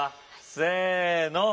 せの。